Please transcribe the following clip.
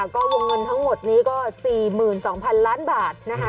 ก็วงเงินทั้งหมดนี้ก็๔๒๐๐๐ล้านบาทนะคะ